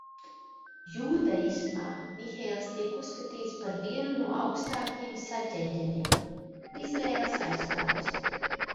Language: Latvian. Jūdaismā Mihaēls tiek uzskatīts par vienu no augstākajiem sargeņģeļiem, Izraēla aizstāvis.